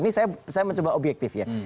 ini saya mencoba objektif ya